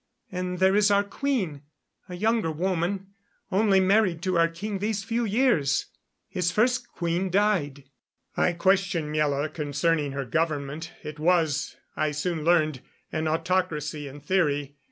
And there is our queen a younger woman, only married to our king these few years. His first queen died." I questioned Miela concerning her government. It was, I soon learned, an autocracy in theory.